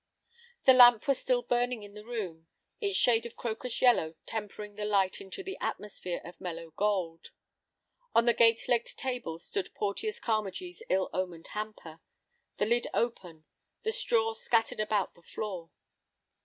The lamp was still burning in the room, its shade of crocus yellow tempering the light into an atmosphere of mellow gold. On the gate legged table stood Porteus Carmagee's ill omened hamper, the lid open, and straw scattered about the floor.